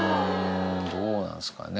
どうなんですかね